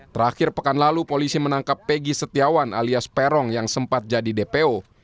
terakhir pekan lalu polisi menangkap pegi setiawan alias peron yang sempat jadi dpo